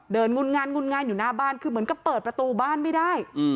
งุนงานงุนงานอยู่หน้าบ้านคือเหมือนกับเปิดประตูบ้านไม่ได้